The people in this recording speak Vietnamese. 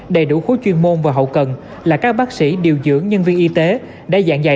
đầy đủ khối chuyên môn và hậu cần là các bác sĩ điều dưỡng nhân viên y tế đã dạng dạy